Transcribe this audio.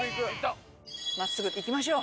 真っすぐ行きましょう。